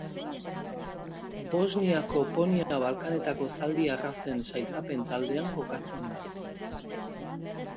Bosniako ponia Balkanetako zaldi arrazen sailkapen taldean kokatzen da.